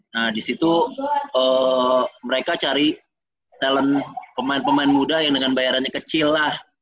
nah di situ mereka cari talent pemain pemain muda yang dengan bayarannya kecil lah